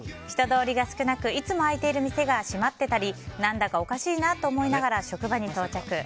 人通りが少なくいつも開いている店が閉まっていたり何だかおかしいなと思いながら職場に到着。